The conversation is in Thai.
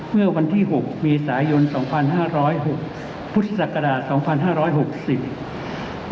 เมื่อวันที่๖เมษายน๒๕๖๐พุทธศักราช๒๕๖๐